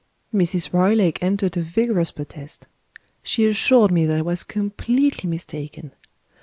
Mrs. Roylake entered a vigorous protest. She assured me that I was completely mistaken.